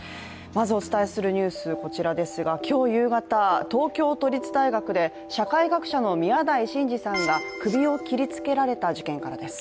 まずお伝えするニュース、こちらですが今日夕方、東京都立大学で社会学者の宮台真司さんが首を切りつけられた事件からです。